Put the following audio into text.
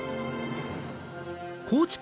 高知県